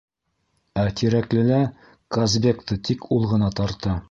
Ә Тирәклелә «Казбек»ты тик ул ғына тарта...